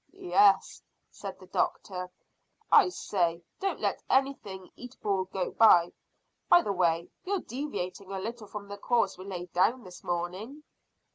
"Yes," said the doctor. "I say, don't let anything eatable go by. By the way, you're deviating a little from the course we laid down this morning."